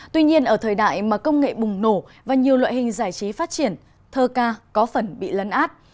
tuy nhiên ở thời đại mà công nghệ bùng nổ và nhiều loại hình giải trí phát triển thơ ca có phần bị lấn át